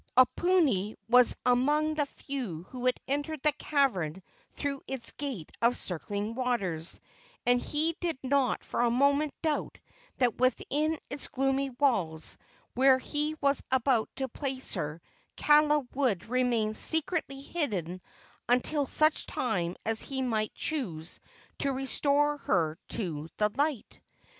Oponui was among the few who had entered the cavern through its gate of circling waters, and he did not for a moment doubt that within its gloomy walls, where he was about to place her, Kaala would remain securely hidden until such time as he might choose to restore her to the light.